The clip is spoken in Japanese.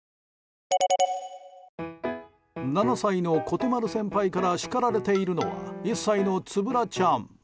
７歳の、こてまる先輩から叱られているのは１歳の、つぶらちゃん。